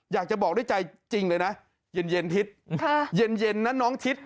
อยากจะบอกด้วยใจจริงเลยนะเย็นเย็นทิศค่ะเย็นเย็นน่ะน้องทิศ